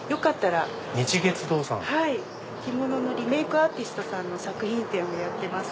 着物のリメイクアーティストの作品展をやってます。